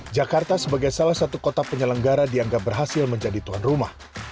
jakarta sebagai salah satu kota penyelenggara dianggap berhasil menjadi tuan rumah